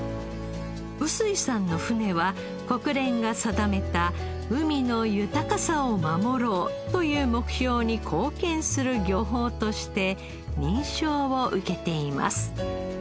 臼井さんの船は国連が定めた「海の豊かさを守ろう」という目標に貢献する漁法として認証を受けています。